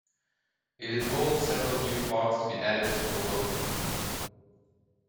It involves several new parks to be added to Hoboken.